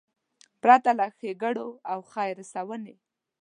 پرته له ښېګړو او خیر رسونې.